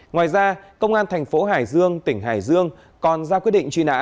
ngoài ra công an thành phố hải dương tỉnh hải dương còn ra quyết định truy nã